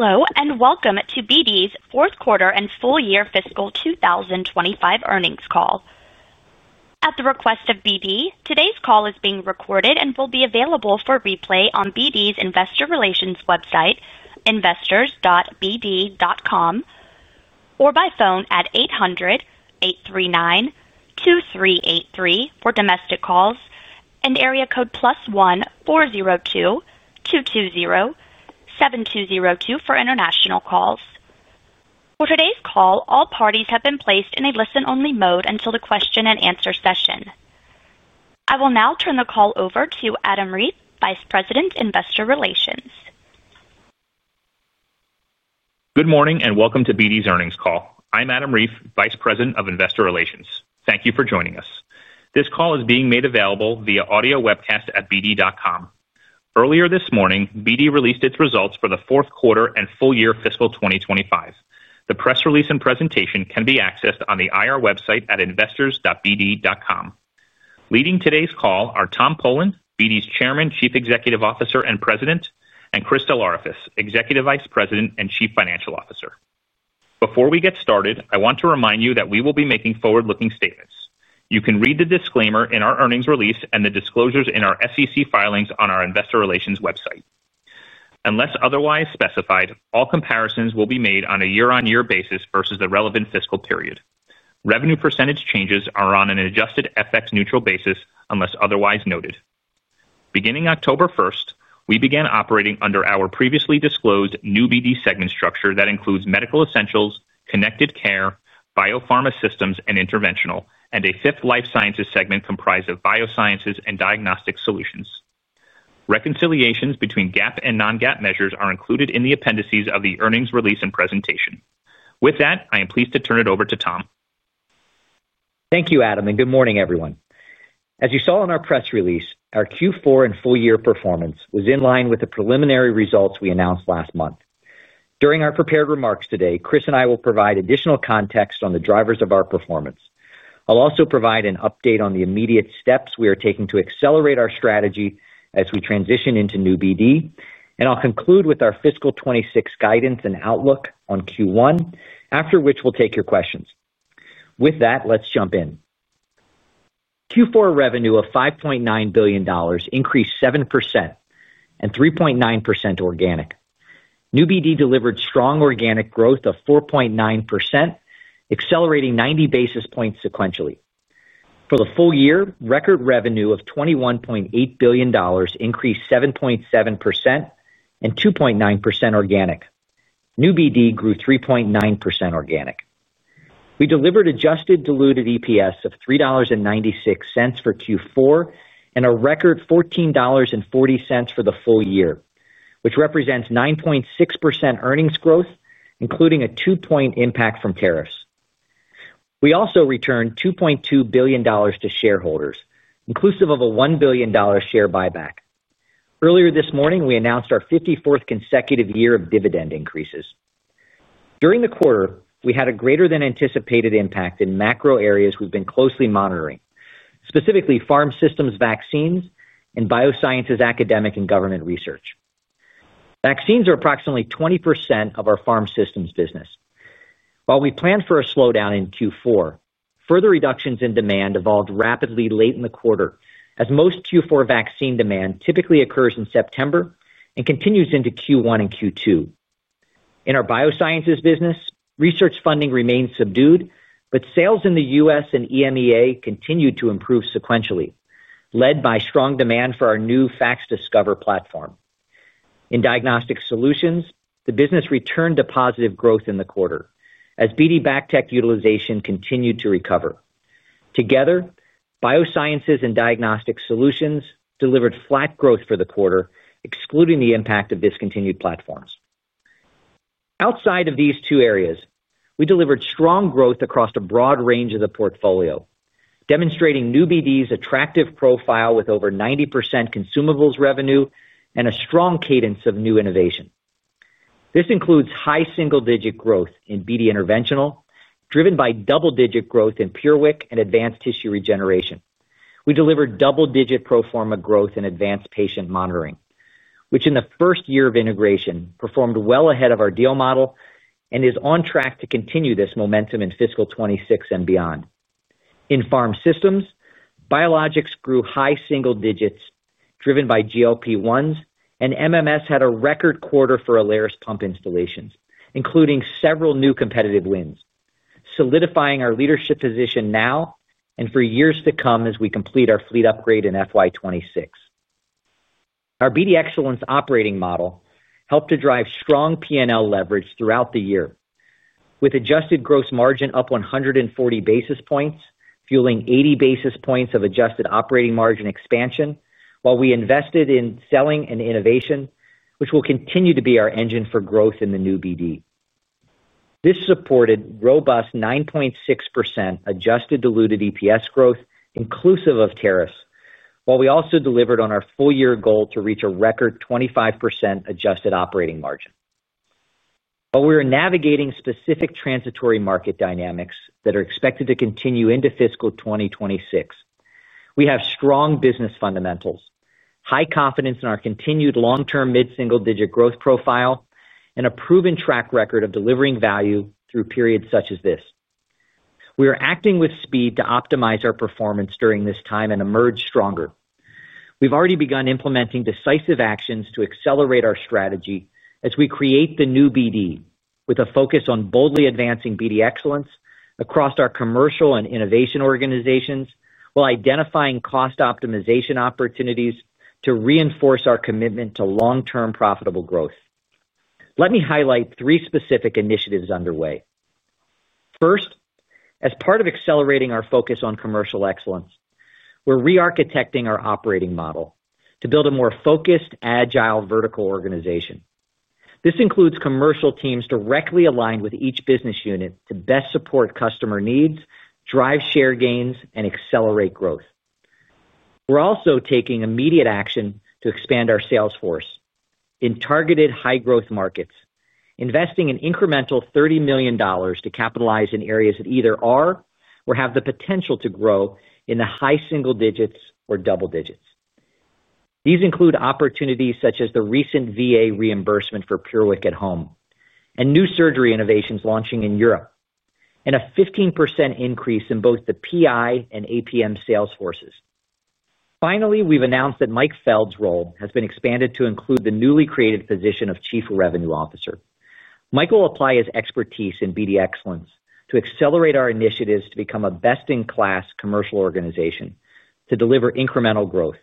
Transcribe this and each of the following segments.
Hello and welcome to BD's fourth quarter and full year fiscal 2025 earnings call. At the request of BD, today's call is being recorded and will be available for replay on BD's Investor Relations website, investors.bd.com, or by phone at 800-839-2383 for domestic calls and area code +1-402-220-7202 for international calls. For today's call, all parties have been placed in a listen-only mode until the question and answer session. I will now turn the call over to Adam Reiffe, Vice President, Investor Relations. Good morning and welcome to BD's earnings call. I'm Adam Reiffe, Vice President of Investor Relations. Thank you for joining us. This call is being made available via audio webcast at bd.com. Earlier this morning, BD released its results for the fourth quarter and full year fiscal 2025. The press release and presentation can be accessed on the IR website at investors.bd.com. Leading today's call are Tom Polen, BD's Chairman, Chief Executive Officer, and President, and Chris DelOrefice, Executive Vice President and Chief Financial Officer. Before we get started, I want to remind you that we will be making forward-looking statements. You can read the disclaimer in our earnings release and the disclosures in our SEC filings on our investor relations website. Unless otherwise specified, all comparisons will be made on a year-on-year basis versus the relevant fiscal period. Revenue percentage changes are on an adjusted FX neutral basis unless otherwise noted. Beginning October 1st, we began operating under our previously disclosed new BD segment structure that includes medical essentials, connected care, biopharma systems, and interventional, and a fifth life sciences segment comprised of biosciences and diagnostic solutions. Reconciliations between GAAP and non-GAAP measures are included in the appendices of the earnings release and presentation. With that, I am pleased to turn it over to Tom. Thank you, Adam, and good morning, everyone. As you saw in our press release, our Q4 and full year performance was in line with the preliminary results we announced last month. During our prepared remarks today, Chris and I will provide additional context on the drivers of our performance. I'll also provide an update on the immediate steps we are taking to accelerate our strategy as we transition into new BD, and I'll conclude with our fiscal 2026 guidance and outlook on Q1, after which we'll take your questions. With that, let's jump in. Q4 revenue of $5.9 billion increased 7% and 3.9% organic. New BD delivered strong organic growth of 4.9%, accelerating 90 basis points sequentially. For the full year, record revenue of $21.8 billion increased 7.7% and 2.9% organic. New BD grew 3.9% organic. We delivered adjusted diluted EPS of $3.96 for Q4 and a record $14.40 for the full year, which represents 9.6% earnings growth, including a two-point impact from tariffs. We also returned $2.2 billion to shareholders, inclusive of a $1 billion share buyback. Earlier this morning, we announced our 54th consecutive year of dividend increases. During the quarter, we had a greater than anticipated impact in macro areas we've been closely monitoring, specifically pharma systems vaccines and biosciences academic and government research. Vaccines are approximately 20% of our pharma systems business. While we planned for a slowdown in Q4, further reductions in demand evolved rapidly late in the quarter, as most Q4 vaccine demand typically occurs in September and continues into Q1 and Q2. In our biosciences business, research funding remained subdued, but sales in the U.S. and EMEA continued to improve sequentially, led by strong demand for our new FACSDiscover platform. In diagnostic solutions, the business returned to positive growth in the quarter, as BD BACTEC utilization continued to recover. Together, biosciences and diagnostic solutions delivered flat growth for the quarter, excluding the impact of discontinued platforms. Outside of these two areas, we delivered strong growth across a broad range of the portfolio, demonstrating new BD's attractive profile with over 90% consumables revenue and a strong cadence of new innovation. This includes high single-digit growth in BD Interventional, driven by double-digit growth in PureWick and advanced tissue regeneration. We delivered double-digit propharma growth and advanced patient monitoring, which in the first year of integration performed well ahead of our deal model and is on track to continue this momentum in fiscal 2026 and beyond. In pharma systems, biologics grew high single digits, driven by GLP-1s, and MMS had a record quarter for Alaris pump installations, including several new competitive wins, solidifying our leadership position now and for years to come as we complete our fleet upgrade in fiscal 2026. Our BD Excellence operating model helped to drive strong P&L leverage throughout the year, with adjusted gross margin up 140 basis points, fueling 80 basis points of adjusted operating margin expansion, while we invested in selling and innovation, which will continue to be our engine for growth in the new BD. This supported robust 9.6% adjusted diluted EPS growth, inclusive of tariffs, while we also delivered on our full year goal to reach a record 25% adjusted operating margin. While we are navigating specific transitory market dynamics that are expected to continue into fiscal 2026, we have strong business fundamentals, high confidence in our continued long-term mid-single digit growth profile, and a proven track record of delivering value through periods such as this. We are acting with speed to optimize our performance during this time and emerge stronger. We've already begun implementing decisive actions to accelerate our strategy as we create the new BD, with a focus on boldly advancing BD Excellence across our commercial and innovation organizations, while identifying cost optimization opportunities to reinforce our commitment to long-term profitable growth. Let me highlight three specific initiatives underway. First, as part of accelerating our focus on commercial excellence, we're re-architecting our operating model to build a more focused, agile, vertical organization. This includes commercial teams directly aligned with each business unit to best support customer needs, drive share gains, and accelerate growth. We're also taking immediate action to expand our sales force in targeted high-growth markets, investing an incremental $30 million to capitalize in areas that either are or have the potential to grow in the high single digits or double digits. These include opportunities such as the recent VA reimbursement for PureWick at home and new surgery innovations launching in Europe, and a 15% increase in both the PI and APM sales forces. Finally, we've announced that Mike Feld's role has been expanded to include the newly created position of Chief Revenue Officer. Mike will apply his expertise in BD Excellence to accelerate our initiatives to become a best-in-class commercial organization to deliver incremental growth.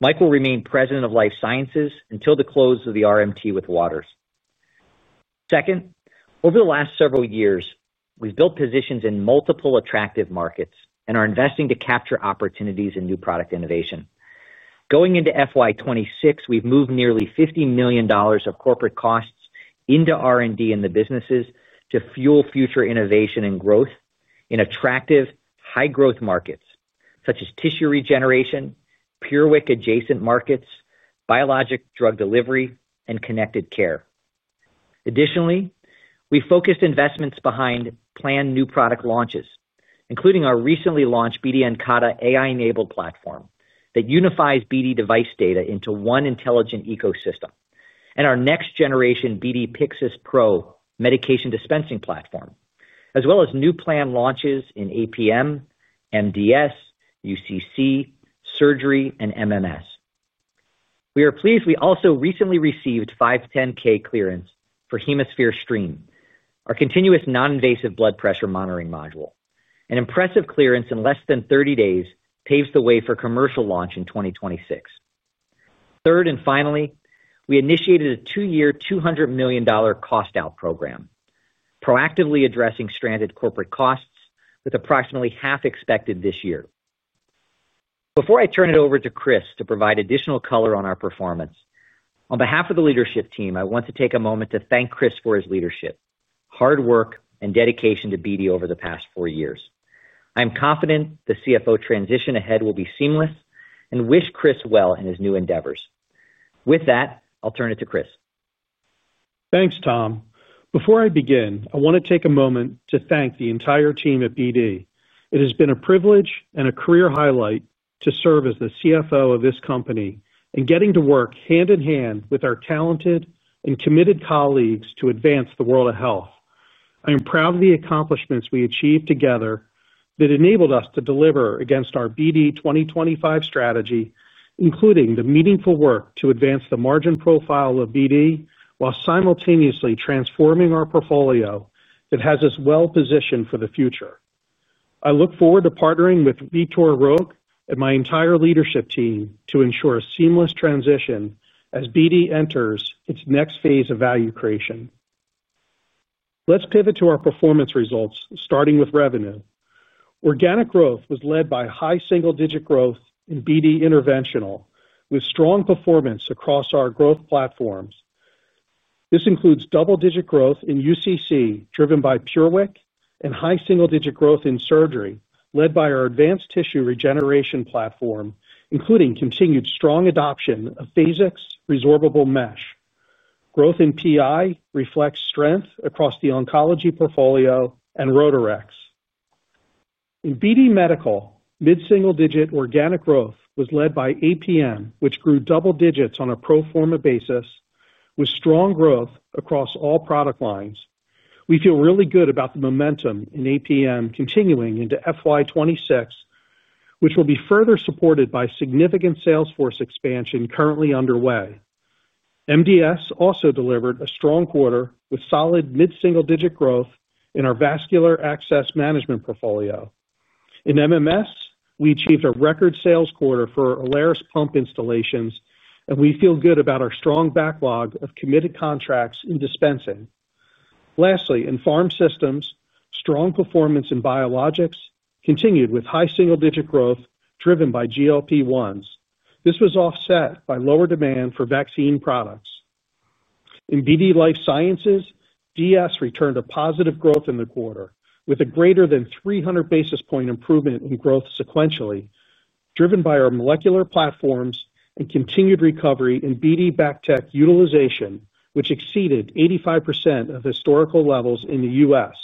Mike will remain President of Life Sciences until the close of the RMT with Waters. Second, over the last several years, we've built positions in multiple attractive markets and are investing to capture opportunities in new product innovation. Going into FY2026, we've moved nearly $50 million of corporate costs into R&D in the businesses to fuel future innovation and growth in attractive, high-growth markets such as tissue regeneration, PureWick-adjacent markets, biologic drug delivery, and connected care. Additionally, we focused investments behind planned new product launches, including our recently launched BD Incada AI-enabled platform that unifies BD device data into one intelligent ecosystem, and our next-generation BD Pyxis Pro medication dispensing platform, as well as new planned launches in APM, MDS, UCC, surgery, and MMS. We are pleased we also recently received 510(k) clearance for HemoSphere Stream, our continuous non-invasive blood pressure monitoring module. An impressive clearance in less than 30 days paves the way for commercial launch in 2026. Third and finally, we initiated a two-year $200 million cost-out program. Proactively addressing stranded corporate costs with approximately half expected this year. Before I turn it over to Chris to provide additional color on our performance, on behalf of the leadership team, I want to take a moment to thank Chris for his leadership, hard work, and dedication to BD over the past four years. I'm confident the CFO transition ahead will be seamless and wish Chris well in his new endeavors. With that, I'll turn it to Chris. Thanks, Tom. Before I begin, I want to take a moment to thank the entire team at BD. It has been a privilege and a career highlight to serve as the CFO of this company and getting to work hand in hand with our talented and committed colleagues to advance the world of health. I am proud of the accomplishments we achieved together that enabled us to deliver against our BD 2025 strategy, including the meaningful work to advance the margin profile of BD while simultaneously transforming our portfolio that has us well positioned for the future. I look forward to partnering with Vitor Roque and my entire leadership team to ensure a seamless transition as BD enters its next phase of value creation. Let's pivot to our performance results, starting with revenue. Organic growth was led by high single-digit growth in BD Interventional, with strong performance across our growth platforms. This includes double-digit growth in UCC, driven by PureWick, and high single-digit growth in Surgery, led by our advanced tissue regeneration platform, including continued strong adoption of Phasix resorbable mesh. Growth in PI reflects strength across the oncology portfolio and Rotarex. In BD Medical, mid-single digit organic growth was led by APM, which grew double digits on a pro-pharma basis, with strong growth across all product lines. We feel really good about the momentum in APM continuing into FY26, which will be further supported by significant sales force expansion currently underway. MDS also delivered a strong quarter with solid mid-single digit growth in our vascular access management portfolio. In MMS, we achieved a record sales quarter for Alaris pump installations, and we feel good about our strong backlog of committed contracts in dispensing. Lastly, in pharma systems, strong performance in biologics continued with high single-digit growth driven by GLP-1s. This was offset by lower demand for vaccine products. In BD Life Sciences, DS returned to positive growth in the quarter with a greater than 300 basis point improvement in growth sequentially, driven by our molecular platforms and continued recovery in BD BACTEC utilization, which exceeded 85% of historical levels in the U.S.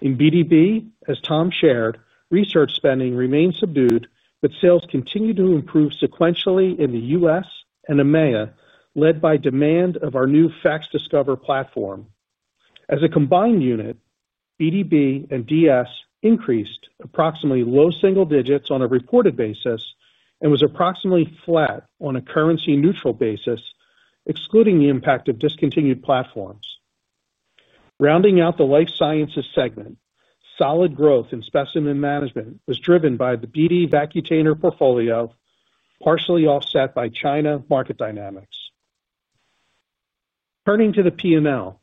In BDB, as Tom shared, research spending remained subdued, but sales continued to improve sequentially in the U.S. and EMEA, led by demand for our new FACSDiscover platform. As a combined unit, BDB and DS increased approximately low single digits on a reported basis and was approximately flat on a currency-neutral basis, excluding the impact of discontinued platforms. Rounding out the life sciences segment, solid growth in specimen management was driven by the BD Vacutainer portfolio, partially offset by China market dynamics. Turning to the P&L,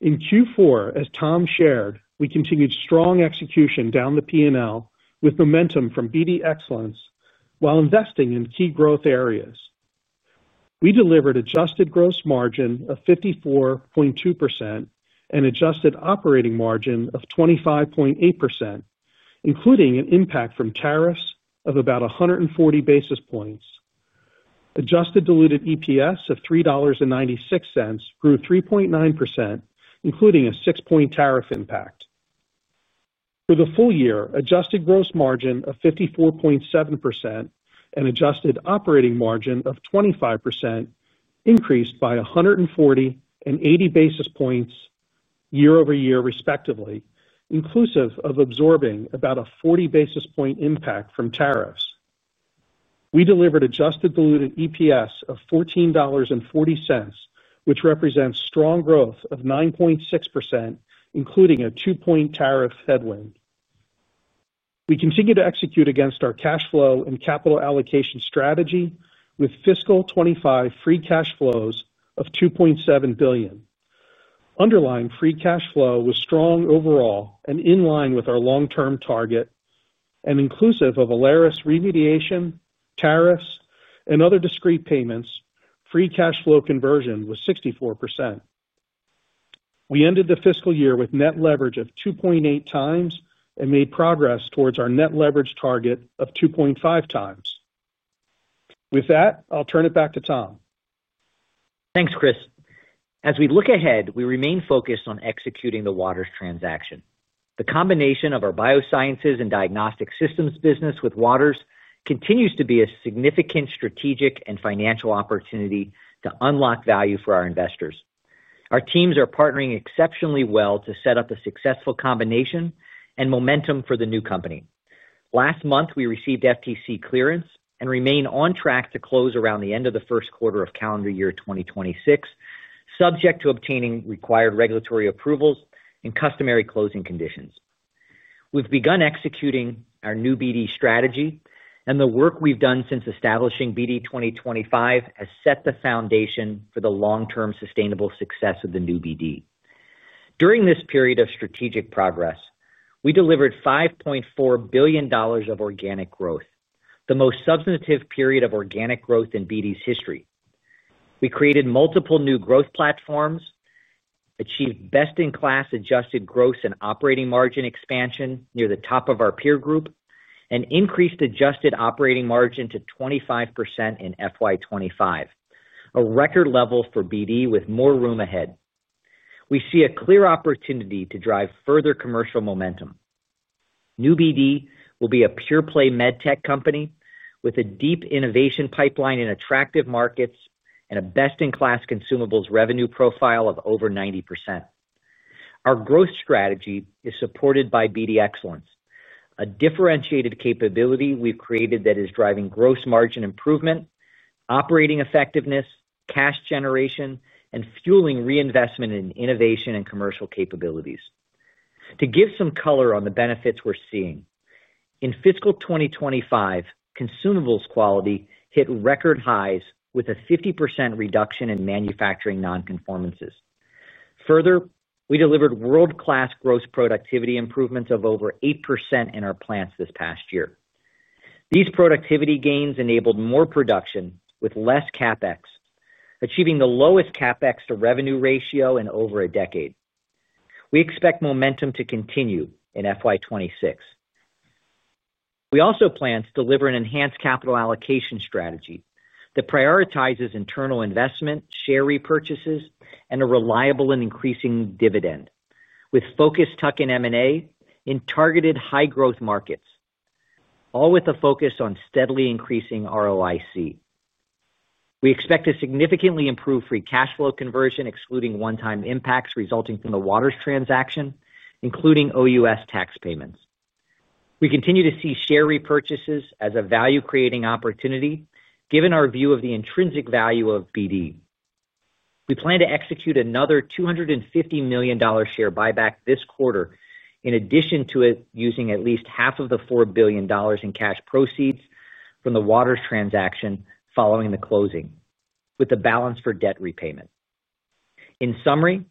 in Q4, as Tom shared, we continued strong execution down the P&L with momentum from BD Excellence while investing in key growth areas. We delivered adjusted gross margin of 54.2% and adjusted operating margin of 25.8%, including an impact from tariffs of about 140 basis points. Adjusted diluted EPS of $3.96 grew 3.9%, including a six-point tariff impact. For the full year, adjusted gross margin of 54.7% and adjusted operating margin of 25% increased by 140 and 80 basis points year-over-year, respectively, inclusive of absorbing about a 40 basis point impact from tariffs. We delivered adjusted diluted EPS of $14.40, which represents strong growth of 9.6%, including a two-point tariff headwind. We continue to execute against our cash flow and capital allocation strategy with fiscal 2025 free cash flows of $2.7 billion. Underlying free cash flow was strong overall and in line with our long-term target, and inclusive of Alaris remediation, tariffs, and other discrete payments, free cash flow conversion was 64%. We ended the fiscal year with net leverage of 2.8x and made progress towards our net leverage target of 2.5x. With that, I'll turn it back to Tom. Thanks, Chris. As we look ahead, we remain focused on executing the Waters transaction. The combination of our biosciences and diagnostic systems business with Waters continues to be a significant strategic and financial opportunity to unlock value for our investors. Our teams are partnering exceptionally well to set up a successful combination and momentum for the new company. Last month, we received FTC clearance and remain on track to close around the end of the first quarter of calendar year 2026, subject to obtaining required regulatory approvals and customary closing conditions. We've begun executing our new BD strategy, and the work we've done since establishing BD 2025 has set the foundation for the long-term sustainable success of the new BD. During this period of strategic progress, we delivered $5.4 billion of organic growth, the most substantive period of organic growth in BD's history. We created multiple new growth platforms, achieved best-in-class adjusted gross and operating margin expansion near the top of our peer group, and increased adjusted operating margin to 25% in FY2025. A record level for BD with more room ahead. We see a clear opportunity to drive further commercial momentum. New BD will be a pure-play med tech company with a deep innovation pipeline in attractive markets and a best-in-class consumables revenue profile of over 90%. Our growth strategy is supported by BD Excellence, a differentiated capability we've created that is driving gross margin improvement, operating effectiveness, cash generation, and fueling reinvestment in innovation and commercial capabilities. To give some color on the benefits we're seeing, in fiscal 2025, consumables quality hit record highs with a 50% reduction in manufacturing non-conformances. Further, we delivered world-class gross productivity improvements of over 8% in our plants this past year. These productivity gains enabled more production with less CapEx, achieving the lowest CapEx to revenue ratio in over a decade. We expect momentum to continue in FY2026. We also plan to deliver an enhanced capital allocation strategy that prioritizes internal investment, share repurchases, and a reliable and increasing dividend, with focus tucked in M&A in targeted high-growth markets, all with a focus on steadily increasing ROIC. We expect to significantly improve free cash flow conversion, excluding one-time impacts resulting from the Waters transaction, including OUS tax payments. We continue to see share repurchases as a value-creating opportunity, given our view of the intrinsic value of BD. We plan to execute another $250 million share buyback this quarter, in addition to using at least half of the $4 billion in cash proceeds from the Waters transaction following the closing, with a balance for debt repayment. In summary,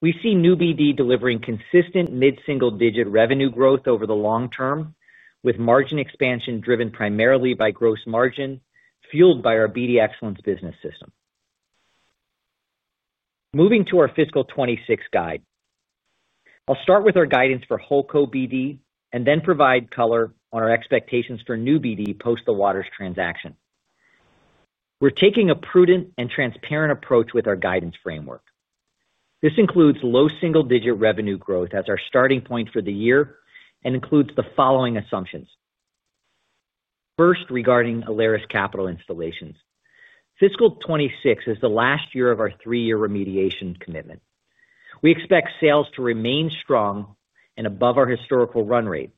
we see new BD delivering consistent mid-single digit revenue growth over the long term, with margin expansion driven primarily by gross margin fueled by our BD Excellence business system. Moving to our fiscal 2026 guide. I'll start with our guidance for WholeCo BD and then provide color on our expectations for new BD post the Waters transaction. We're taking a prudent and transparent approach with our guidance framework. This includes low single-digit revenue growth as our starting point for the year and includes the following assumptions. First, regarding Alaris Capital installations, fiscal 2026 is the last year of our three-year remediation commitment. We expect sales to remain strong and above our historical run rate.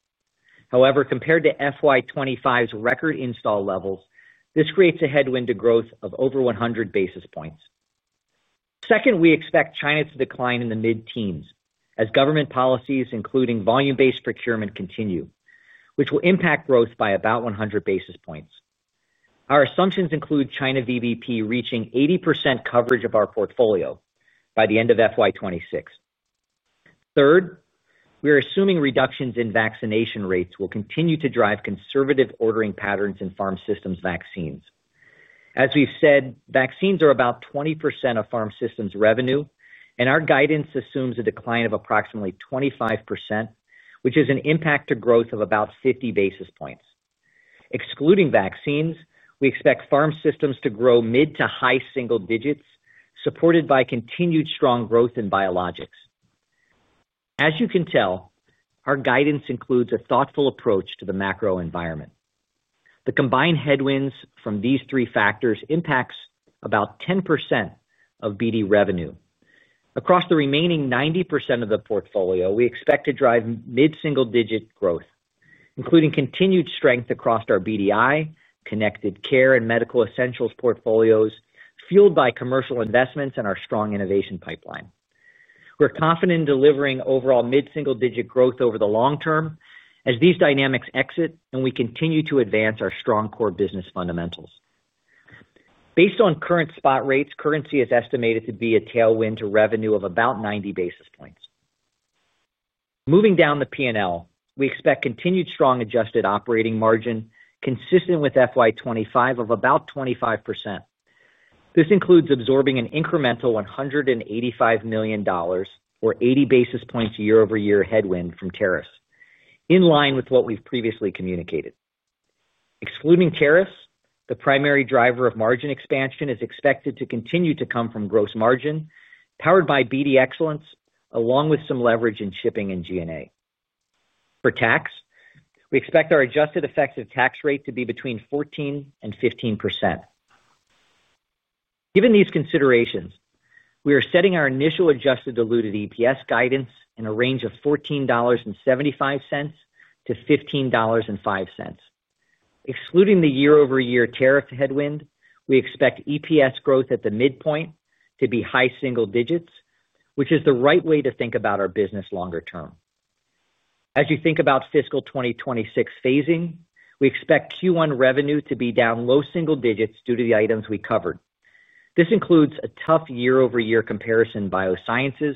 However, compared to fiscal 2025's record install levels, this creates a headwind to growth of over 100 basis points. Second, we expect China to decline in the mid-teens as government policies, including volume-based procurement, continue, which will impact growth by about 100 basis points. Our assumptions include China VBP reaching 80% coverage of our portfolio by the end of FY2026. Third, we are assuming reductions in vaccination rates will continue to drive conservative ordering patterns in pharma systems vaccines. As we've said, vaccines are about 20% of pharma systems revenue, and our guidance assumes a decline of approximately 25%, which is an impact to growth of about 50 basis points. Excluding vaccines, we expect pharma systems to grow mid to high single digits, supported by continued strong growth in biologics. As you can tell, our guidance includes a thoughtful approach to the macro environment. The combined headwinds from these three factors impact about 10% of BD revenue. Across the remaining 90% of the portfolio, we expect to drive mid-single digit growth, including continued strength across our BDI, connected care, and medical essentials portfolios, fueled by commercial investments and our strong innovation pipeline. We're confident in delivering overall mid-single digit growth over the long term as these dynamics exit and we continue to advance our strong core business fundamentals. Based on current spot rates, currency is estimated to be a tailwind to revenue of about 90 basis points. Moving down the P&L, we expect continued strong adjusted operating margin consistent with FY2025 of about 25%. This includes absorbing an incremental $185 million, or 80 basis points year-over-year headwind from tariffs, in line with what we've previously communicated. Excluding tariffs, the primary driver of margin expansion is expected to continue to come from gross margin, powered by BD Excellence, along with some leverage in shipping and G&A. For tax, we expect our adjusted effective tax rate to be between 14% and 15%. Given these considerations, we are setting our initial adjusted diluted EPS guidance in a range of $14.75-$15.05. Excluding the year-over-year tariff headwind, we expect EPS growth at the midpoint to be high single digits, which is the right way to think about our business longer term. As you think about fiscal 2026 phasing, we expect Q1 revenue to be down low single digits due to the items we covered. This includes a tough year-over-year comparison in biosciences,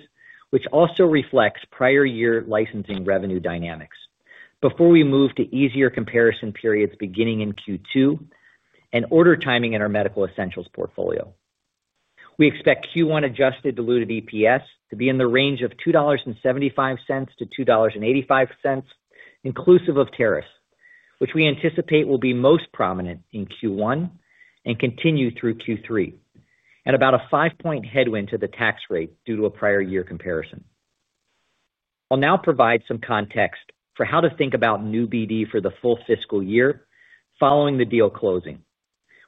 which also reflects prior year licensing revenue dynamics, before we move to easier comparison periods beginning in Q2 and order timing in our medical essentials portfolio. We expect Q1 adjusted diluted EPS to be in the range of $2.75-$2.85. Inclusive of tariffs, which we anticipate will be most prominent in Q1 and continue through Q3, and about a 5% headwind to the tax rate due to a prior year comparison. I'll now provide some context for how to think about new BD for the full fiscal year following the deal closing,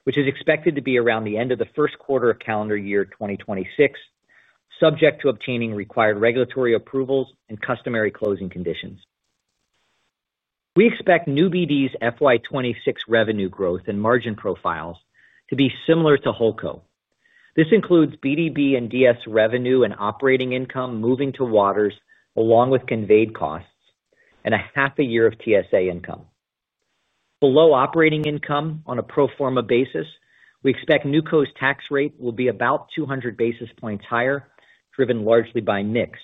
which is expected to be around the end of the first quarter of calendar year 2026, subject to obtaining required regulatory approvals and customary closing conditions. We expect new BD's FY2026 revenue growth and margin profiles to be similar to WholeCo. This includes BDB and DS revenue and operating income moving to Waters, along with conveyed costs and a half a year of TSA income. Below operating income on a pro forma basis, we expect NewCo's tax rate will be about 200 basis points higher, driven largely by NICS.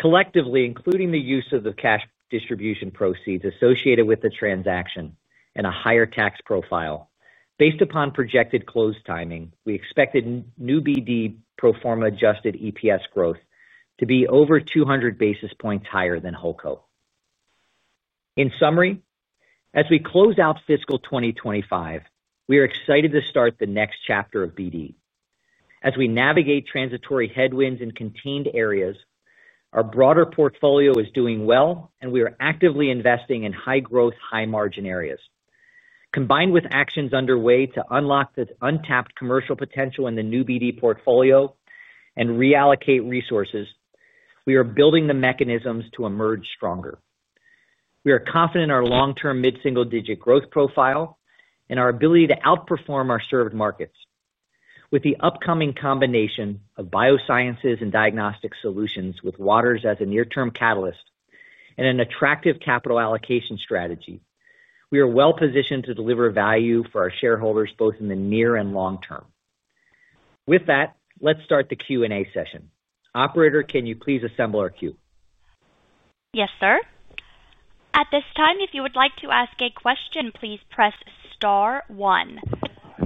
Collectively, including the use of the cash distribution proceeds associated with the transaction and a higher tax profile. Based upon projected close timing, we expected new BD pro forma adjusted EPS growth to be over 200 basis points higher than WholeCo. In summary, as we close out fiscal 2025, we are excited to start the next chapter of BD. As we navigate transitory headwinds in contained areas, our broader portfolio is doing well, and we are actively investing in high-growth, high-margin areas. Combined with actions underway to unlock the untapped commercial potential in the new BD portfolio and reallocate resources, we are building the mechanisms to emerge stronger. We are confident in our long-term mid-single digit growth profile and our ability to outperform our served markets. With the upcoming combination of biosciences and diagnostic solutions with Waters as a near-term catalyst and an attractive capital allocation strategy, we are well positioned to deliver value for our shareholders both in the near and long term. With that, let's start the Q&A session. Operator, can you please assemble our queue? Yes, sir. At this time, if you would like to ask a question, please press star one.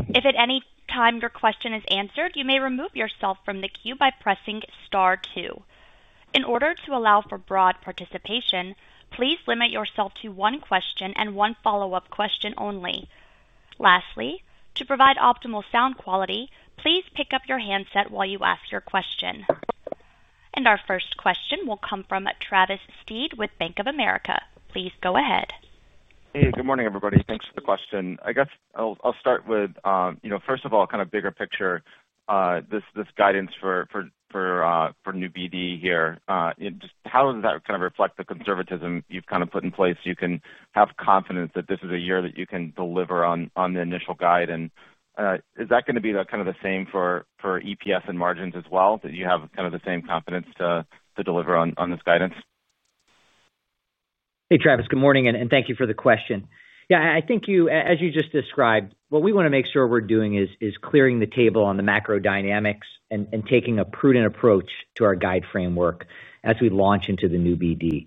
If at any time your question is answered, you may remove yourself from the queue by pressing star two. In order to allow for broad participation, please limit yourself to one question and one follow-up question only. Lastly, to provide optimal sound quality, please pick up your handset while you ask your question. Our first question will come from Travis Steed with Bank of America. Please go ahead. Hey, good morning, everybody. Thanks for the question. I guess I'll start with, first of all, kind of bigger picture. This guidance for new BD here. Just how does that kind of reflect the conservatism you've kind of put in place? You can have confidence that this is a year that you can deliver on the initial guide. Is that going to be kind of the same for EPS and margins as well, that you have kind of the same confidence to deliver on this guidance? Hey, Travis, good morning, and thank you for the question. Yeah, I think, as you just described, what we want to make sure we're doing is clearing the table on the macro dynamics and taking a prudent approach to our guide framework as we launch into the new BD.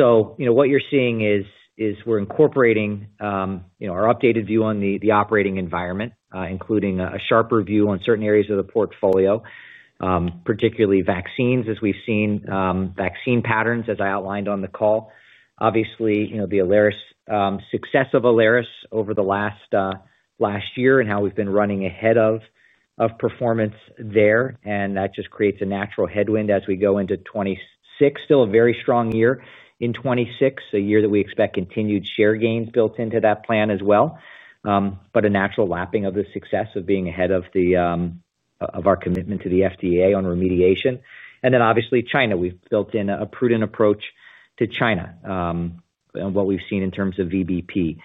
What you're seeing is we're incorporating our updated view on the operating environment, including a sharper view on certain areas of the portfolio. Particularly vaccines, as we've seen vaccine patterns, as I outlined on the call. Obviously, the success of Alaris over the last year and how we've been running ahead of performance there. That just creates a natural headwind as we go into 2026. Still a very strong year in 2026, a year that we expect continued share gains built into that plan as well. A natural lapping of the success of being ahead of. Our commitment to the FDA on remediation. Obviously, China. We've built in a prudent approach to China. What we've seen in terms of VBP.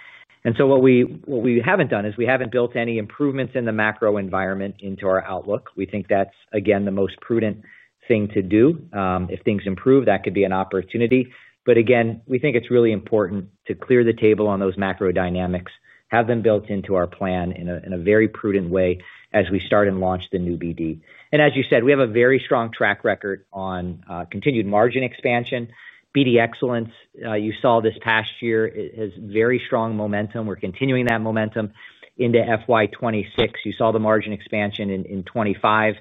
What we haven't done is we haven't built any improvements in the macro environment into our outlook. We think that's, again, the most prudent thing to do. If things improve, that could be an opportunity. Again, we think it's really important to clear the table on those macro dynamics, have them built into our plan in a very prudent way as we start and launch the new BD. As you said, we have a very strong track record on continued margin expansion. BD Excellence, you saw this past year, has very strong momentum. We're continuing that momentum into FY2026. You saw the margin expansion in 2025.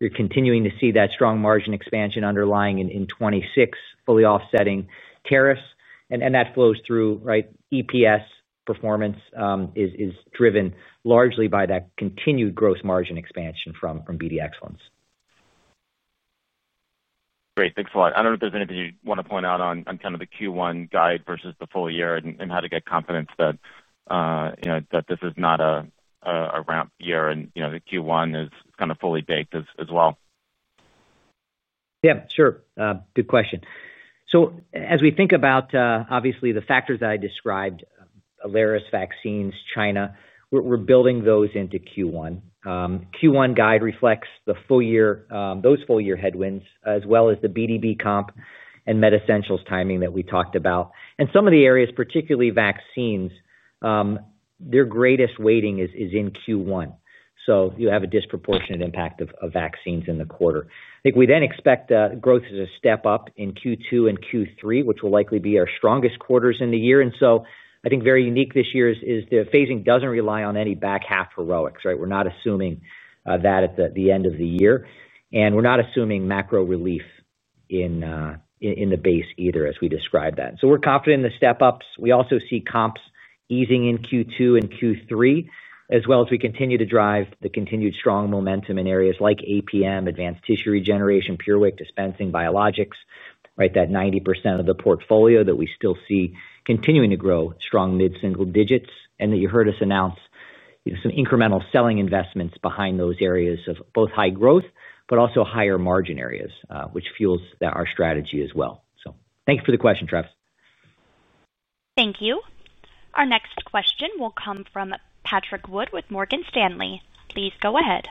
You're continuing to see that strong margin expansion underlying in 2026, fully offsetting tariffs. That flows through, right? EPS performance is driven largely by that continued gross margin expansion from BD Excellence. Great. Thanks a lot. I don't know if there's anything you want to point out on kind of the Q1 guide versus the full year and how to get confidence that this is not a ramp year and the Q1 is kind of fully baked as well. Yeah, sure. Good question. As we think about, obviously, the factors that I described, Alaris, vaccines, China, we're building those into Q1. Q1 guide reflects those full year headwinds, as well as the BDB comp and MedEssentials timing that we talked about. Some of the areas, particularly vaccines, their greatest weighting is in Q1. You have a disproportionate impact of vaccines in the quarter. I think we then expect growth to step up in Q2 and Q3, which will likely be our strongest quarters in the year. I think very unique this year is the phasing does not rely on any back half heroics, right? We're not assuming that at the end of the year. We're not assuming macro relief in the base either, as we describe that. We're confident in the step-ups. We also see comps easing in Q2 and Q3, as well as we continue to drive the continued strong momentum in areas like APM, advanced tissue regeneration, PureWick, dispensing, biologics, right? That 90% of the portfolio that we still see continuing to grow strong mid-single digits, and that you heard us announce some incremental selling investments behind those areas of both high growth, but also higher margin areas, which fuels our strategy as well. Thank you for the question, Travis. Thank you. Our next question will come from Patrick Wood with Morgan Stanley. Please go ahead.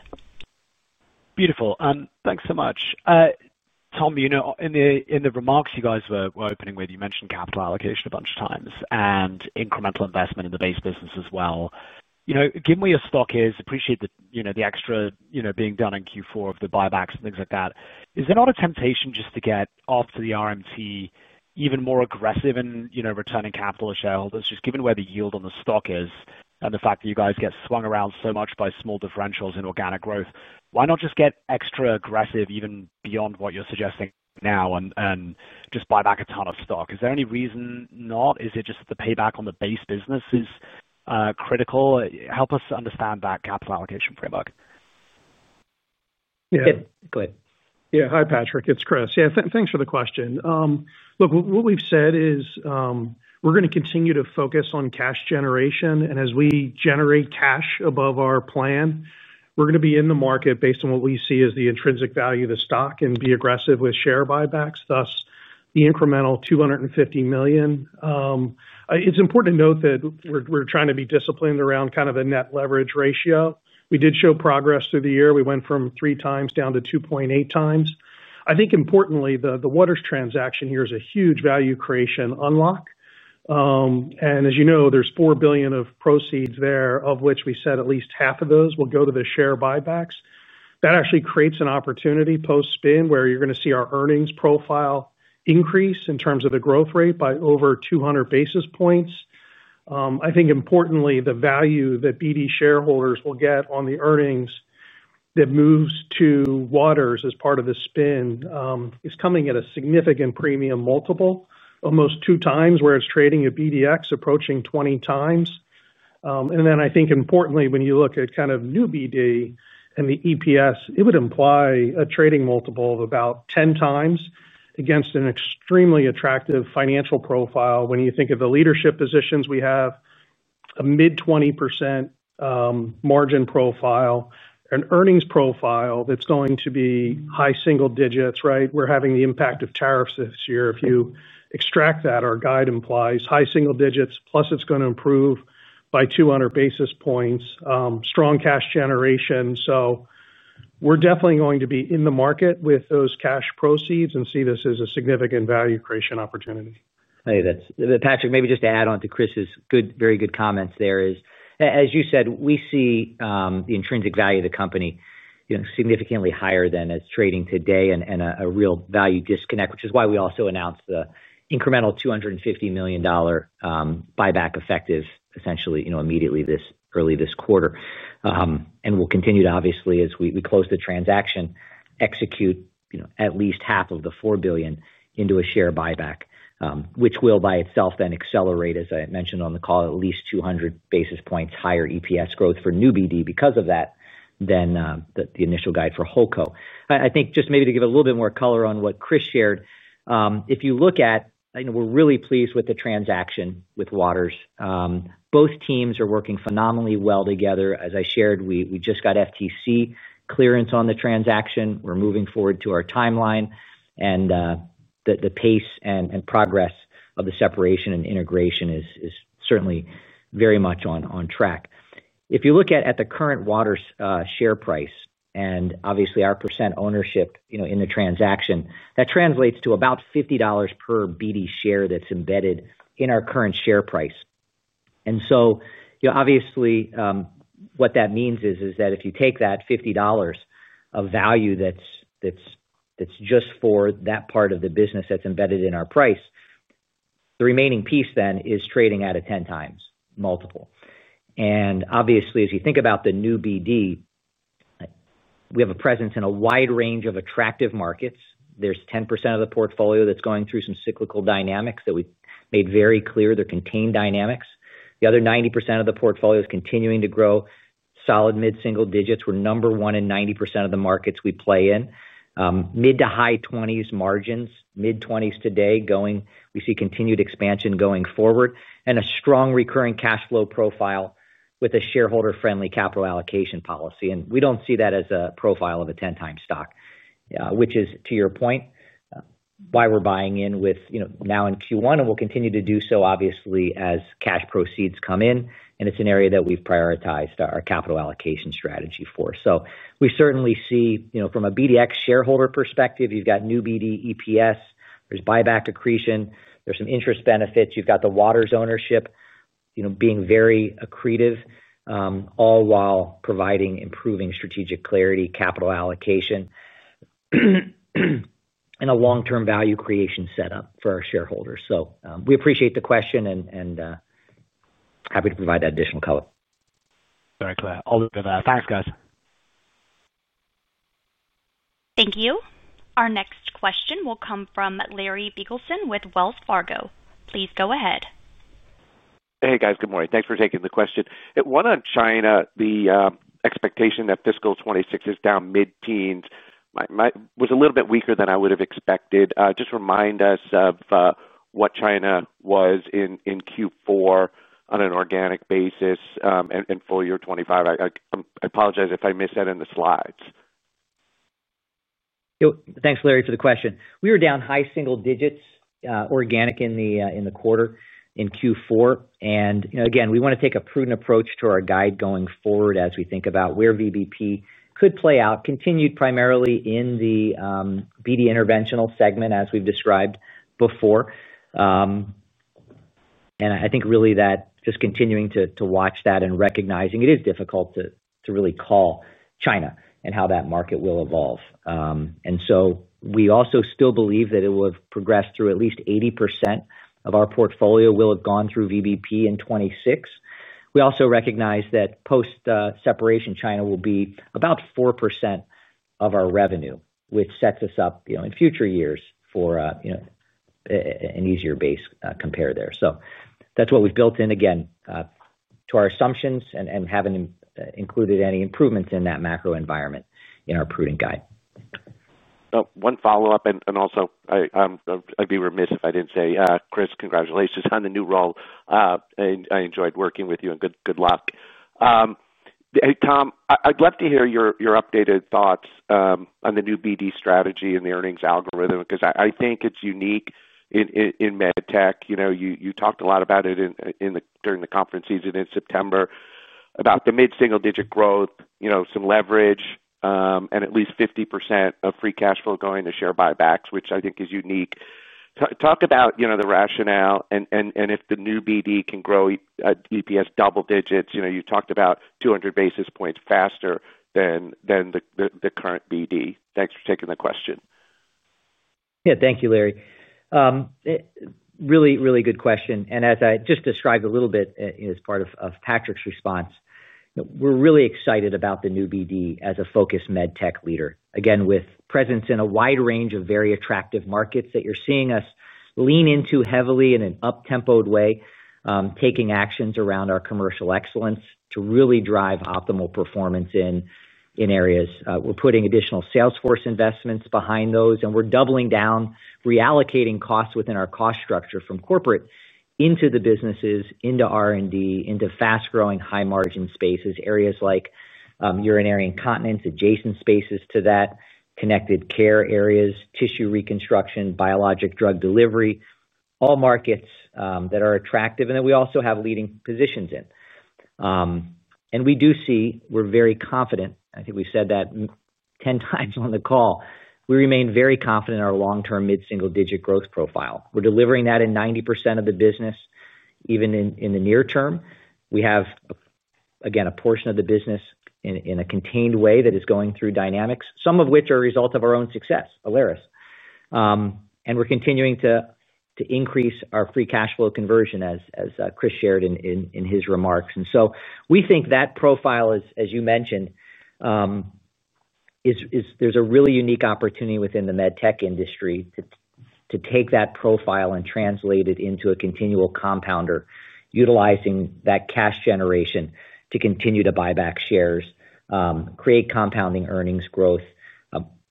Beautiful. Thanks so much. Tom, in the remarks you guys were opening with, you mentioned capital allocation a bunch of times and incremental investment in the base business as well. Given where your stock is, appreciate the extra being done in Q4 of the buybacks and things like that. Is there not a temptation just to get after the RMT even more aggressive in returning capital to shareholders, just given where the yield on the stock is and the fact that you guys get swung around so much by small differentials in organic growth? Why not just get extra aggressive, even beyond what you're suggesting now, and just buy back a ton of stock? Is there any reason not? Is it just that the payback on the base business is critical? Help us understand that capital allocation framework. Yeah. Go ahead. Yeah. Hi, Patrick. It's Chris. Yeah, thanks for the question. Look, what we've said is we're going to continue to focus on cash generation. As we generate cash above our plan, we're going to be in the market based on what we see as the intrinsic value of the stock and be aggressive with share buybacks, thus the incremental $250 million. It's important to note that we're trying to be disciplined around kind of a net leverage ratio. We did show progress through the year. We went from 3x down to 2.8x. I think, importantly, the Waters transaction here is a huge value creation unlock. As you know, there's $4 billion of proceeds there, of which we said at least half of those will go to the share buybacks. That actually creates an opportunity post-spin where you're going to see our earnings profile increase in terms of the growth rate by over 200 basis points. I think, importantly, the value that BD shareholders will get on the earnings that moves to Waters as part of the spin is coming at a significant premium multiple, almost two times where it's trading at BDX, approaching 20x. I think, importantly, when you look at kind of new BD and the EPS, it would imply a trading multiple of about 10 against an extremely attractive financial profile. When you think of the leadership positions, we have. A mid-20% margin profile, an earnings profile that's going to be high single digits, right? We're having the impact of tariffs this year. If you extract that, our guide implies high single digits, plus it's going to improve by 200 basis points, strong cash generation. We are definitely going to be in the market with those cash proceeds and see this as a significant value creation opportunity. Hey, Patrick, maybe just to add on to Chris's very good comments there is, as you said, we see the intrinsic value of the company significantly higher than it's trading today and a real value disconnect, which is why we also announced the incremental $250 million buyback effective, essentially, immediately early this quarter. We'll continue to, obviously, as we close the transaction, execute at least half of the $4 billion into a share buyback, which will by itself then accelerate, as I mentioned on the call, at least 200 basis points higher EPS growth for new BD because of that than the initial guide for WholeCo. I think just maybe to give a little bit more color on what Chris shared, if you look at, we're really pleased with the transaction with Waters. Both teams are working phenomenally well together. As I shared, we just got FTC clearance on the transaction. We're moving forward to our timeline. The pace and progress of the separation and integration is certainly very much on track. If you look at the current Waters share price and obviously our percent ownership in the transaction, that translates to about $50 per BD share that's embedded in our current share price. What that means is that if you take that $50 of value that's just for that part of the business that's embedded in our price, the remaining piece then is trading at a 10 times multiple. Obviously, as you think about the new BD, we have a presence in a wide range of attractive markets. There's 10% of the portfolio that's going through some cyclical dynamics that we made very clear. They're contained dynamics. The other 90% of the portfolio is continuing to grow solid mid-single digits. We're number one in 90% of the markets we play in. Mid to high 20% margins, mid-20% today, we see continued expansion going forward, and a strong recurring cash flow profile with a shareholder-friendly capital allocation policy. We don't see that as a profile of a 10-time stock, which is, to your point. That is why we're buying in with now in Q1, and we'll continue to do so, obviously, as cash proceeds come in. It's an area that we've prioritized our capital allocation strategy for. We certainly see, from a BDX shareholder perspective, you've got new BD EPS, there's buyback accretion, there's some interest benefits, you've got the Waters ownership being very accretive. All while providing improving strategic clarity, capital allocation, and a long-term value creation setup for our shareholders. We appreciate the question and are happy to provide that additional color. Very clear. All good there. Thanks, guys. Thank you. Our next question will come from Larry Biegelsen with Wells Fargo. Please go ahead. Hey, guys. Good morning. Thanks for taking the question. One on China, the expectation that fiscal 2026 is down mid-teens was a little bit weaker than I would have expected. Just remind us of what China was in Q4 on an organic basis and full year 2025. I apologize if I missed that in the slides. Thanks, Larry, for the question. We were down high single digits organic in the quarter in Q4. We want to take a prudent approach to our guide going forward as we think about where VBP could play out, continued primarily in the BD Interventional segment, as we've described before. I think really that just continuing to watch that and recognizing it is difficult to really call China and how that market will evolve. We also still believe that it will have progressed through at least 80% of our portfolio will have gone through VBP in 2026. We also recognize that post-separation, China will be about 4% of our revenue, which sets us up in future years for an easier base compare there. That's what we've built in, again, to our assumptions and haven't included any improvements in that macro environment in our prudent guide. One follow-up, and also. I'd be remiss if I didn't say, Chris, congratulations on the new role. I enjoyed working with you, and good luck. Tom, I'd love to hear your updated thoughts on the new BD strategy and the earnings algorithm because I think it's unique in MedTech. You talked a lot about it during the conference season in September. About the mid-single digit growth, some leverage, and at least 50% of free cash flow going to share buybacks, which I think is unique. Talk about the rationale and if the new BD can grow EPS double digits. You talked about 200 basis points faster than the current BD. Thanks for taking the question. Yeah, thank you, Larry. Really, really good question. As I just described a little bit as part of Patrick's response, we're really excited about the new BD as a focused MedTech leader, again, with presence in a wide range of very attractive markets that you're seeing us lean into heavily in an uptempoed way, taking actions around our commercial excellence to really drive optimal performance in areas. We're putting additional Salesforce investments behind those, and we're doubling down, reallocating costs within our cost structure from corporate into the businesses, into R&D, into fast-growing high-margin spaces, areas like urinary incontinence, adjacent spaces to that, connected care areas, tissue reconstruction, biologic drug delivery, all markets that are attractive and that we also have leading positions in. We do see, we're very confident, I think we've said that 10 times on the call, we remain very confident in our long-term mid-single digit growth profile. We're delivering that in 90% of the business. Even in the near term, we have, again, a portion of the business in a contained way that is going through dynamics, some of which are a result of our own success, Alaris. We're continuing to increase our free cash flow conversion, as Chris shared in his remarks. We think that profile, as you mentioned, there's a really unique opportunity within the MedTech industry to take that profile and translate it into a continual compounder, utilizing that cash generation to continue to buy back shares, create compounding earnings growth.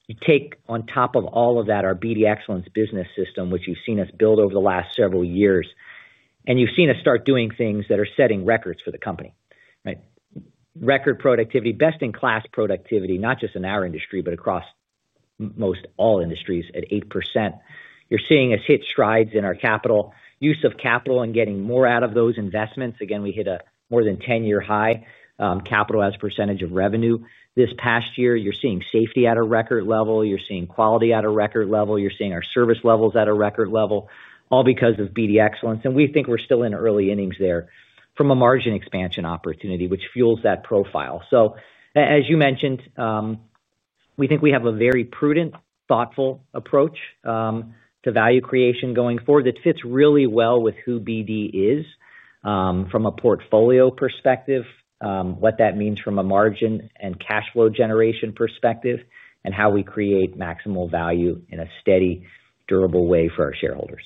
You take on top of all of that our BD Excellence business system, which you've seen us build over the last several years, and you've seen us start doing things that are setting records for the company, right? Record productivity, best in class productivity, not just in our industry, but across most all industries at 8%. You're seeing us hit strides in our capital, use of capital, and getting more out of those investments. Again, we hit a more than 10-year high capital as percentage of revenue this past year. You're seeing safety at a record level. You're seeing quality at a record level. You're seeing our service levels at a record level, all because of BD Excellence. We think we're still in early innings there from a margin expansion opportunity, which fuels that profile. As you mentioned, we think we have a very prudent, thoughtful approach. To value creation going forward that fits really well with who BD is. From a portfolio perspective, what that means from a margin and cash flow generation perspective, and how we create maximal value in a steady, durable way for our shareholders.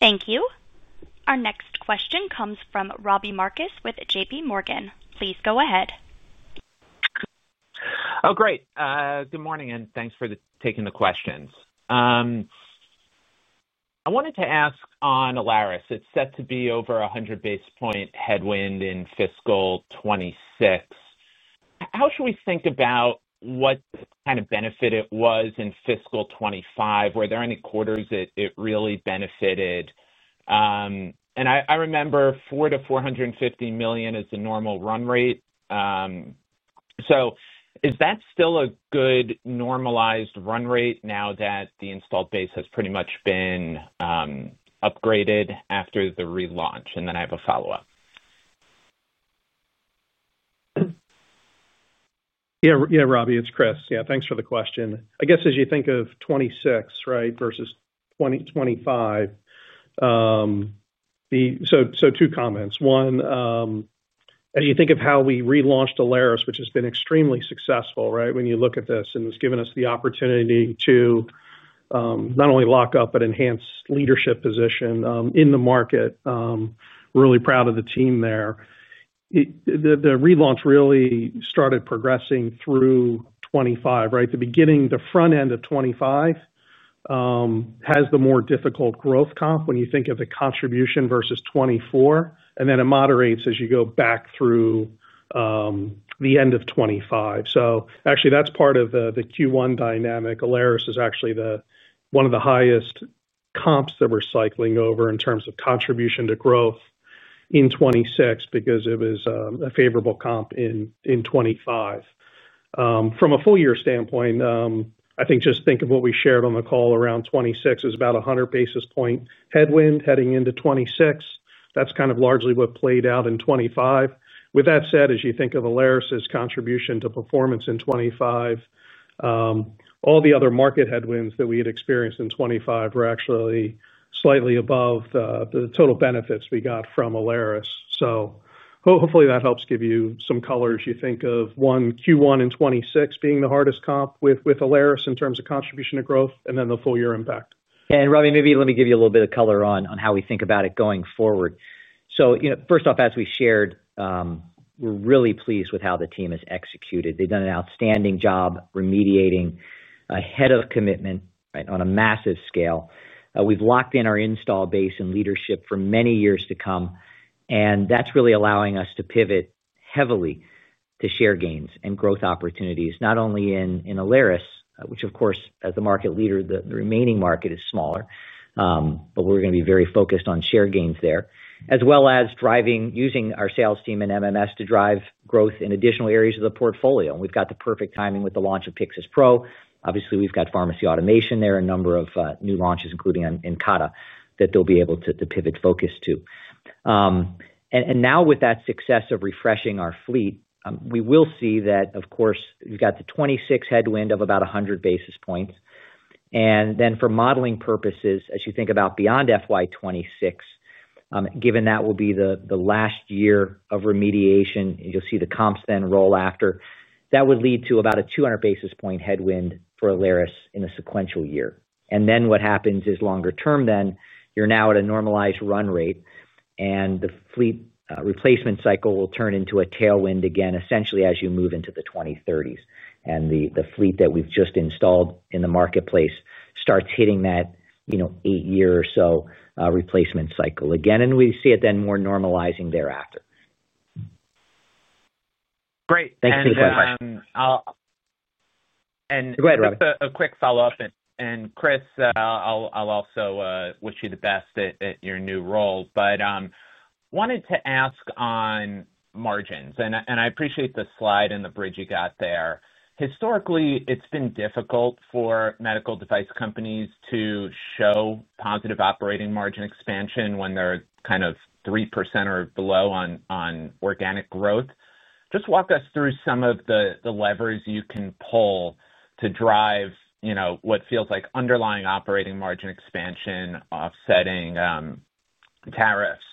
Thank you. Our next question comes from Robbie Marcus with JPMorgan. Please go ahead. Oh, great. Good morning, and thanks for taking the questions. I wanted to ask on Alaris, it's set to be over 100 basis point headwind in fiscal 2026. How should we think about what kind of benefit it was in fiscal 2025? Were there any quarters that it really benefited? I remember $400 million-$450 million is the normal run rate. Is that still a good normalized run rate now that the installed base has pretty much been upgraded after the relaunch? I have a follow-up. Yeah, Robbie, it's Chris. Yeah, thanks for the question. I guess as you think of 2026, right, versus 2025. Two comments. One, as you think of how we relaunched Alaris, which has been extremely successful, right, when you look at this and has given us the opportunity to not only lock up, but enhance leadership position in the market. Really proud of the team there. The relaunch really started progressing through 2025, right? The beginning, the front end of 2025, has the more difficult growth comp when you think of the contribution versus 2024, and then it moderates as you go back through the end of 2025. Actually, that's part of the Q1 dynamic. Alaris is actually one of the highest comps that we're cycling over in terms of contribution to growth in 2026 because it was a favorable comp in 2025. From a full year standpoint, I think just think of what we shared on the call around 2026 is about a 100 basis point headwind heading into 2026. That's kind of largely what played out in 2025. With that said, as you think of Alaris's contribution to performance in 2025. All the other market headwinds that we had experienced in 2025 were actually slightly above the total benefits we got from Alaris. Hopefully that helps give you some color as you think of Q1 in 2026 being the hardest comp with Alaris in terms of contribution to growth and then the full year impact. Robbie, maybe let me give you a little bit of color on how we think about it going forward. First off, as we shared, we're really pleased with how the team has executed. They've done an outstanding job remediating ahead of commitment on a massive scale. We've locked in our install base and leadership for many years to come. That's really allowing us to pivot heavily to share gains and growth opportunities, not only in Alaris, which of course, as the market leader, the remaining market is smaller. We're going to be very focused on share gains there, as well as using our sales team and MMS to drive growth in additional areas of the portfolio. We've got the perfect timing with the launch of Pyxis Pro. Obviously, we've got pharmacy automation there, a number of new launches, including Incada, that they'll be able to pivot focus to. Now with that success of refreshing our fleet, we will see that, of course, we've got the 2026 headwind of about 100 basis points. For modeling purposes, as you think about beyond fiscal year 2026, given that will be the last year of remediation, you'll see the comps then roll after. That would lead to about a 200 basis point headwind for Alaris in a sequential year. What happens is, longer term, you're now at a normalized run rate. The fleet replacement cycle will turn into a tailwind again, essentially as you move into the 2030s. The fleet that we've just installed in the marketplace starts hitting that eight-year or so replacement cycle again. We see it then more normalizing thereafter. Great. Thanks for the question. And. Go ahead, Robbie. Just a quick follow-up. Chris, I'll also wish you the best at your new role. I wanted to ask on margins. I appreciate the slide and the bridge you got there. Historically, it's been difficult for medical device companies to show positive operating margin expansion when they're kind of 3% or below on organic growth. Just walk us through some of the levers you can pull to drive what feels like underlying operating margin expansion offsetting tariffs,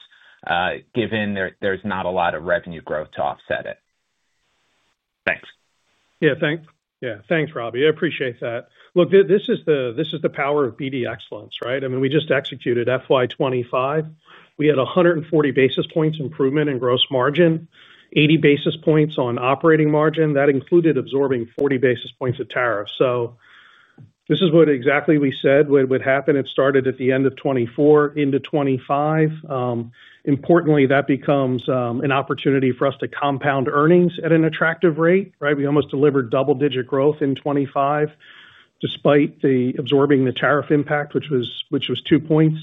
given there's not a lot of revenue growth to offset it. Thanks. Yeah, thanks. Yeah, thanks, Robbie. I appreciate that. Look, this is the power of BD Excellence, right? I mean, we just executed FY 2025. We had 140 basis points improvement in gross margin, 80 basis points on operating margin. That included absorbing 40 basis points of tariff. This is what exactly we said would happen. It started at the end of 2024 into 2025. Importantly, that becomes an opportunity for us to compound earnings at an attractive rate, right? We almost delivered double-digit growth in 2025. Despite absorbing the tariff impact, which was two points.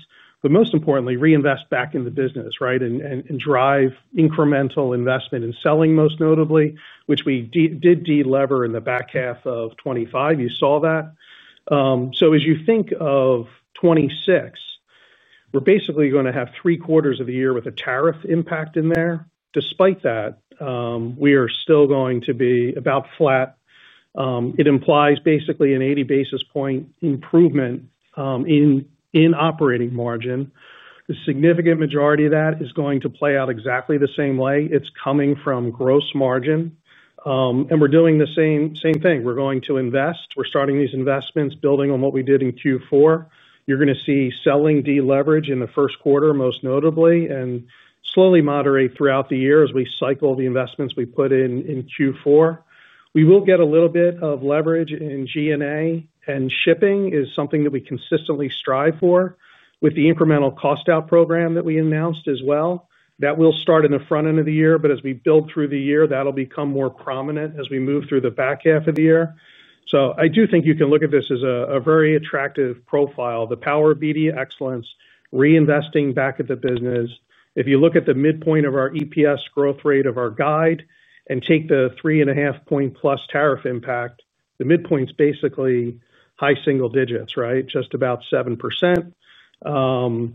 Most importantly, reinvest back in the business, right, and drive incremental investment in selling, most notably, which we did delever in the back half of 2025. You saw that. As you think of 2026, we're basically going to have three quarters of the year with a tariff impact in there. Despite that. We are still going to be about flat. It implies basically an 80 basis point improvement in operating margin. The significant majority of that is going to play out exactly the same way. It's coming from gross margin. And we're doing the same thing. We're going to invest. We're starting these investments, building on what we did in Q4. You're going to see selling deleverage in the first quarter, most notably, and slowly moderate throughout the year as we cycle the investments we put in Q4. We will get a little bit of leverage in G&A, and shipping is something that we consistently strive for with the incremental cost-out program that we announced as well. That will start in the front end of the year, but as we build through the year, that'll become more prominent as we move through the back half of the year. I do think you can look at this as a very attractive profile. The power of BD Excellence, reinvesting back at the business. If you look at the midpoint of our EPS growth rate of our guide and take the three and a half point plus tariff impact, the midpoint's basically high single digits, right? Just about 7%.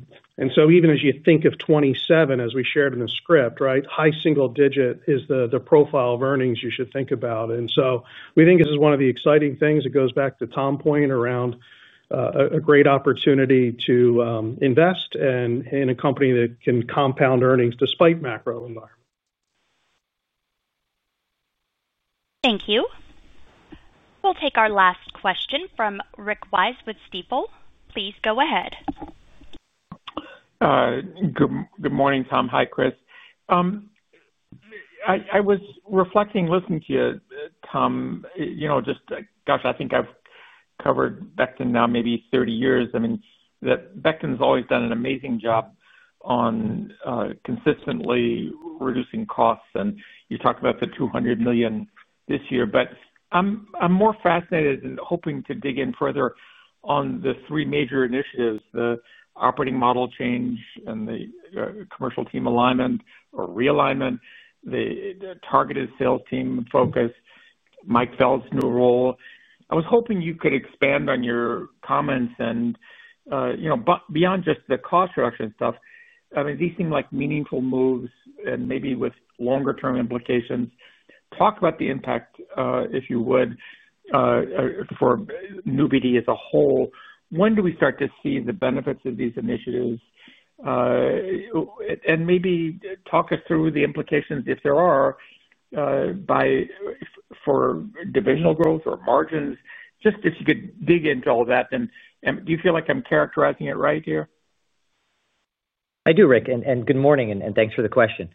Even as you think of 2027, as we shared in the script, right, high single digit is the profile of earnings you should think about. We think this is one of the exciting things. It goes back to Tom's point around a great opportunity to invest in a company that can compound earnings despite macro environment. Thank you. We'll take our last question from Rick Wise with Stifel. Please go ahead. Good morning, Tom. Hi, Chris. I was reflecting listening to you, Tom. Just, gosh, I think I've covered Becton now maybe 30 years. I mean, Becton's always done an amazing job on consistently reducing costs. And you talked about the $200 million this year. I'm more fascinated and hoping to dig in further on the three major initiatives: the operating model change and the commercial team alignment or realignment, the targeted sales team focus, Mike Feld's new role. I was hoping you could expand on your comments. Beyond just the cost reduction stuff, I mean, these seem like meaningful moves and maybe with longer-term implications. Talk about the impact, if you would, for new BD as a whole. When do we start to see the benefits of these initiatives? Maybe talk us through the implications, if there are, for divisional growth or margins. Just if you could dig into all that, do you feel like I'm characterizing it right here? I do, Rick. Good morning, and thanks for the question.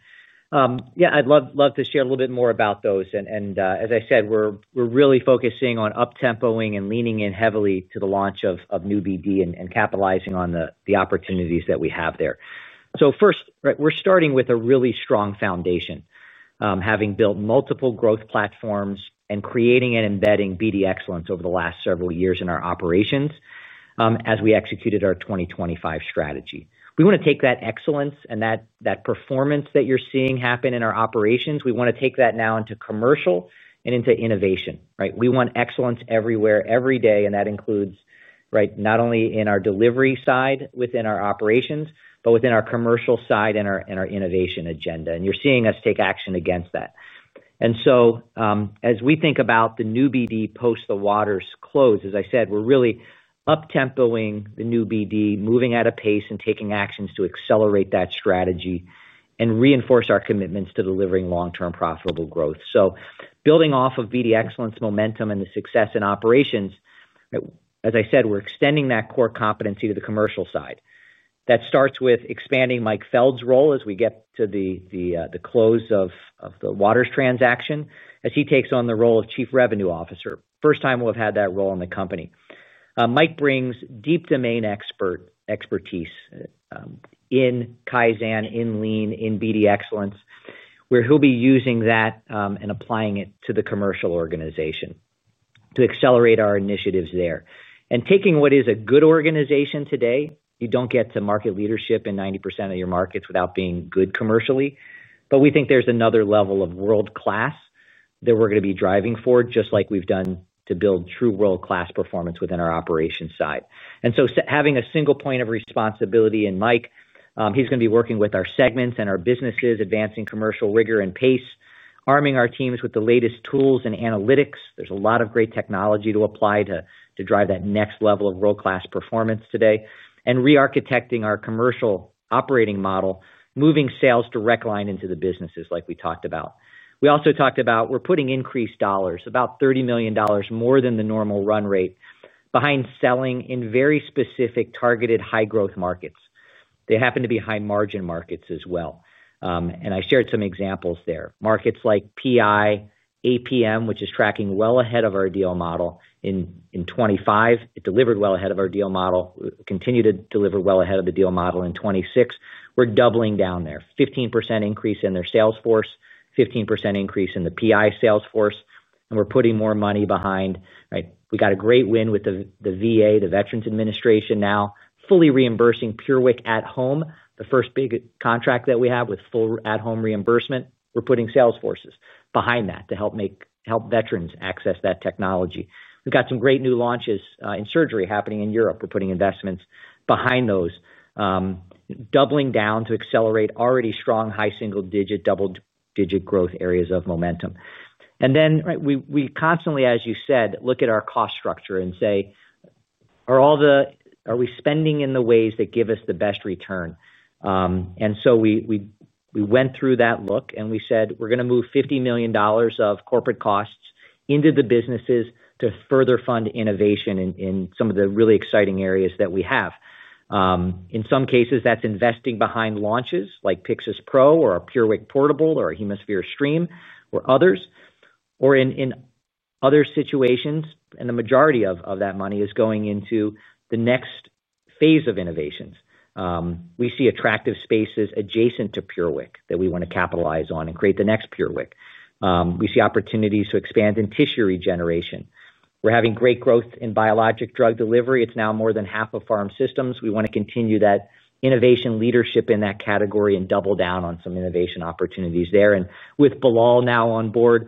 Yeah, I'd love to share a little bit more about those. As I said, we're really focusing on uptempoing and leaning in heavily to the launch of new BD and capitalizing on the opportunities that we have there. First, we're starting with a really strong foundation, having built multiple growth platforms and creating and embedding BD Excellence over the last several years in our operations as we executed our 2025 strategy. We want to take that excellence and that performance that you're seeing happen in our operations. We want to take that now into commercial and into innovation, right? We want excellence everywhere, every day. That includes, right, not only in our delivery side within our operations, but within our commercial side and our innovation agenda. You're seeing us take action against that. As we think about the new BD post the Waters close, as I said, we're really uptempoing the new BD, moving at a pace and taking actions to accelerate that strategy and reinforce our commitments to delivering long-term profitable growth. Building off of BD Excellence momentum and the success in operations, as I said, we're extending that core competency to the commercial side. That starts with expanding Mike Feld's role as we get to the close of the Waters transaction, as he takes on the role of Chief Revenue Officer. First time we'll have had that role in the company. Mike brings deep domain expertise in Kaizen, in Lean, in BD Excellence, where he'll be using that and applying it to the commercial organization to accelerate our initiatives there. Taking what is a good organization today, you do not get to market leadership in 90% of your markets without being good commercially. We think there is another level of world-class that we are going to be driving forward, just like we have done to build true world-class performance within our operations side. Having a single point of responsibility in Mike, he is going to be working with our segments and our businesses, advancing commercial rigor and pace, arming our teams with the latest tools and analytics. There is a lot of great technology to apply to drive that next level of world-class performance today. Re-architecting our commercial operating model, moving sales direct line into the businesses like we talked about. We also talked about putting increased dollars, about $30 million more than the normal run rate, behind selling in very specific targeted high-growth markets. They happen to be high-margin markets as well. I shared some examples there. Markets like PI, APM, which is tracking well ahead of our deal model. In 2025, it delivered well ahead of our deal model, continued to deliver well ahead of the deal model in 2026. We're doubling down there. 15% increase in their sales force, 15% increase in the PI sales force. We're putting more money behind, right? We got a great win with the VA, the Veterans Administration now, fully reimbursing PureWick at home, the first big contract that we have with full at-home reimbursement. We're putting sales forces behind that to help veterans access that technology. We've got some great new launches in surgery happening in Europe. We're putting investments behind those. Doubling down to accelerate already strong high single-digit, double-digit growth areas of momentum. We constantly, as you said, look at our cost structure and say, "Are we spending in the ways that give us the best return?" We went through that look and we said, "We're going to move $50 million of corporate costs into the businesses to further fund innovation in some of the really exciting areas that we have." In some cases, that's investing behind launches like Pyxis Pro or a PureWick Portable or a Hemosphere Stream or others. In other situations, and the majority of that money is going into the next phase of innovations. We see attractive spaces adjacent to PureWick that we want to capitalize on and create the next PureWick. We see opportunities to expand in tissue regeneration. We're having great growth in biologic drug delivery. It's now more than half of pharma systems. We want to continue that innovation leadership in that category and double down on some innovation opportunities there. With Bilal now on board,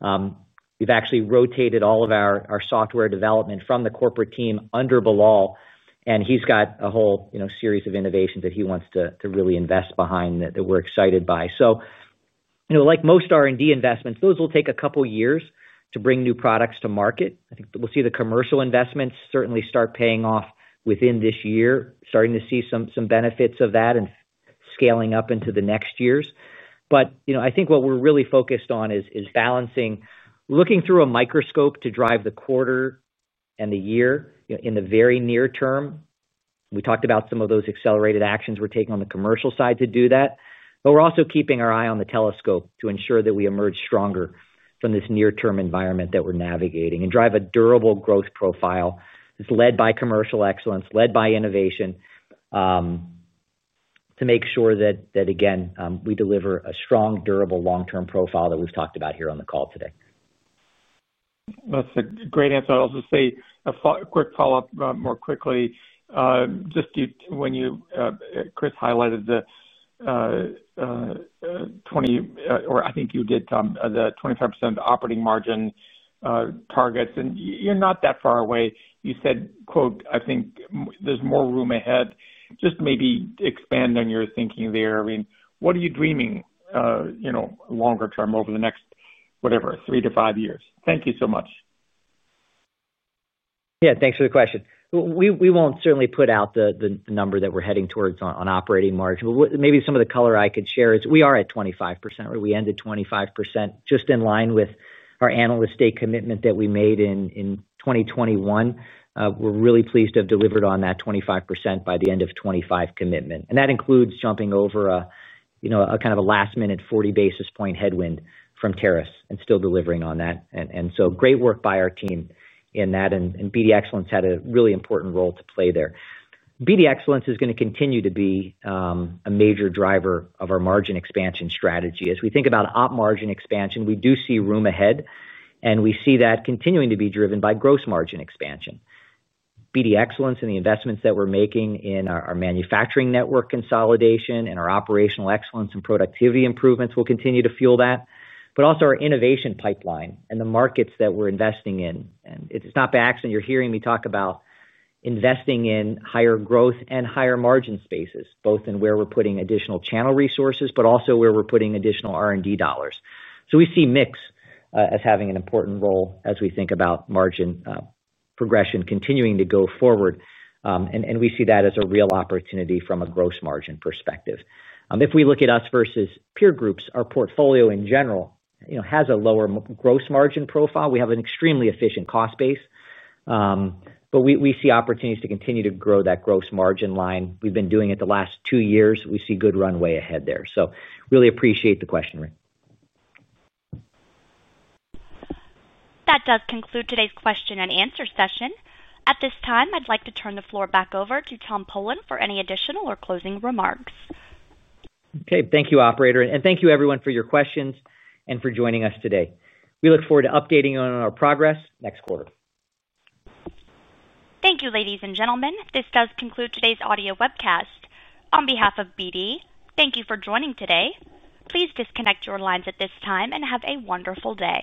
we've actually rotated all of our software development from the corporate team under Bilal. He's got a whole series of innovations that he wants to really invest behind that we're excited by. Like most R&D investments, those will take a couple of years to bring new products to market. I think we'll see the commercial investments certainly start paying off within this year, starting to see some benefits of that and scaling up into the next years. What we're really focused on is balancing, looking through a microscope to drive the quarter and the year in the very near term. We talked about some of those accelerated actions we're taking on the commercial side to do that. We're also keeping our eye on the telescope to ensure that we emerge stronger from this near-term environment that we're navigating and drive a durable growth profile that's led by commercial excellence, led by innovation. To make sure that, again, we deliver a strong, durable, long-term profile that we've talked about here on the call today. That's a great answer. I'll just say a quick follow-up more quickly. Just when you, Chris, highlighted the 20, or I think you did, Tom, the 25% operating margin targets. And you're not that far away. You said, "I think there's more room ahead." Just maybe expand on your thinking there. I mean, what are you dreaming longer term over the next, whatever, three to five years? Thank you so much. Yeah, thanks for the question. We won't certainly put out the number that we're heading towards on operating margin. Maybe some of the color I could share is we are at 25%. We ended 25% just in line with our analyst state commitment that we made in 2021. We're really pleased to have delivered on that 25% by the end of 2025 commitment. That includes jumping over a kind of a last-minute 40 basis point headwind from tariffs and still delivering on that. Great work by our team in that. BD Excellence had a really important role to play there. BD Excellence is going to continue to be a major driver of our margin expansion strategy. As we think about op margin expansion, we do see room ahead. We see that continuing to be driven by gross margin expansion. BD Excellence and the investments that we're making in our manufacturing network consolidation and our operational excellence and productivity improvements will continue to fuel that. Our innovation pipeline and the markets that we're investing in are also important. It is not by accident you're hearing me talk about investing in higher growth and higher margin spaces, both in where we're putting additional channel resources and where we're putting additional R&D dollars. We see mix as having an important role as we think about margin progression continuing to go forward. We see that as a real opportunity from a gross margin perspective. If we look at us versus peer groups, our portfolio in general has a lower gross margin profile. We have an extremely efficient cost base. We see opportunities to continue to grow that gross margin line. We've been doing it the last two years. We see good runway ahead there. Really appreciate the question, Rick. That does conclude today's question and answer session. At this time, I'd like to turn the floor back over to Tom Polen for any additional or closing remarks. Okay. Thank you, operator. Thank you everyone for your questions and for joining us today. We look forward to updating you on our progress next quarter. Thank you, ladies and gentlemen. This does conclude today's audio webcast. On behalf of BD, thank you for joining today. Please disconnect your lines at this time and have a wonderful day.